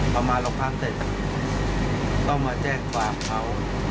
พอมาโรงพักเสร็จก็มาแจ้งความเขา